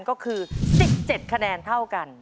ก็คือ๑๗คะแนนเท่ากัน